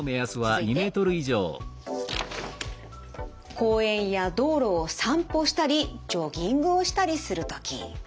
続いて公園や道路を散歩したりジョギングをしたりする時。